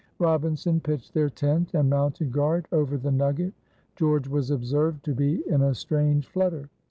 Robinson pitched their tent and mounted guard over the nugget. George was observed to be in a strange flutter.